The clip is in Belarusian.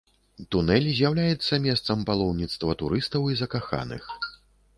Тунэль з'яўляецца месцам паломніцтва турыстаў і закаханых.